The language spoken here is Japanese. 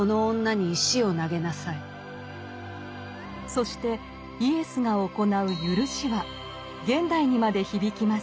そしてイエスが行う「ゆるし」は現代にまで響きます。